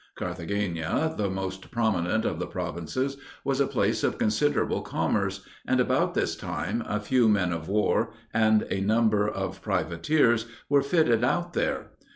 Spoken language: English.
Carthagena, the most prominent of the provinces, was a place of considerable commerce; and, about this time, a few men of war, and a number of privateers, were fitted out there.